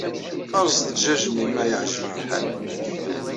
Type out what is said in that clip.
Rẓet jjaj-nni ma yeɛǧel lḥal.